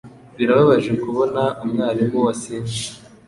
Birababaje kubona umwarimu wasinze